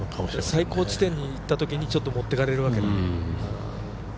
最高地点にいったときにちょっと持ってかれるわけね。